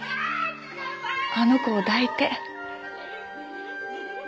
あの子を抱いて。